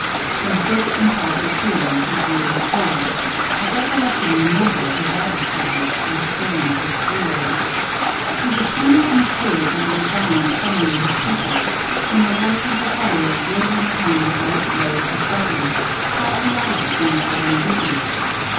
In the first impulse of feeling he drew his sword; but recollecting the number of his adversaries, restrained his fury. He was turning from the cave with a design of summoning his people, when the light of the fire glittering upon the bright blade of his weapon, caught the eye of one of the banditti.